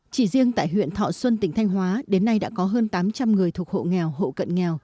chỉ riêng tại huyện thọ xuân tỉnh thanh hóa đến nay đã có hơn tám trăm linh người thuộc hộ nghèo hộ cận nghèo